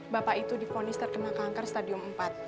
bapak itu difonis terkena kanker stadium empat